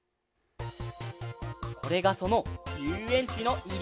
これがそのゆうえんちのいりぐち！